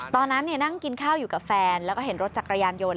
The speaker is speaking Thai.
ตอนนั้นนั่งกินข้าวอยู่กับแฟนแล้วก็เห็นรถจักรยานยนต์